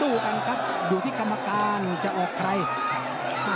ตู้กันครับอยู่ที่กรรมการจะออกไกล